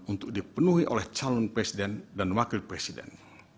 untuk dipenuhi oleh calon presiden dan wakil presiden